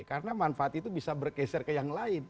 karena manfaat itu bisa bergeser ke yang lain